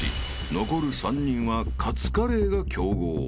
［残る３人はカツカレーが競合］